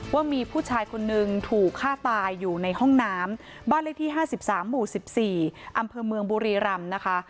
ว่ามีผู้ชายคนนึงถูกฆ่าตายอยู่ในห้องน้ำบ้านเลขที่๕๓หมู่๑๔อำเภอเมืองบุรีรำนะคะ